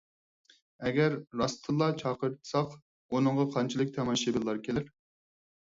ئەگەر راستتىنلا چاقىرتساق، ئۇنىڭغا قانچىلىك تاماشىبىنلار كېلەر؟